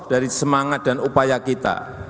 dari semangat dan upaya kita